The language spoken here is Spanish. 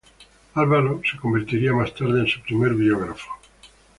Álvaro se convertiría más tarde en su primer biógrafo.